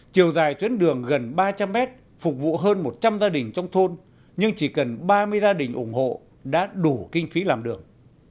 chiều dài tuyến đường gần ba trăm linh m phục vụ hơn một trăm linh gia đình trong thôn nhưng chỉ cần ba mươi gia đình ủng hộ đã đủ kinh phí làm đường